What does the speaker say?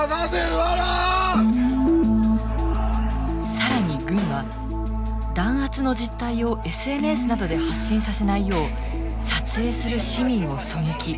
更に軍は弾圧の実態をＳＮＳなどで発信させないよう撮影する市民を狙撃。